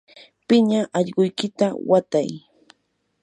piña allquykita watay.